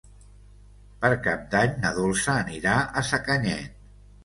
Per Cap d'Any na Dolça anirà a Sacanyet.